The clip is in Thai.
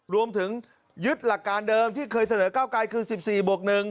รวมถึงยึดหลักการเดิมที่เคยเสนอเก้าไกรคือ๑๔บวก๑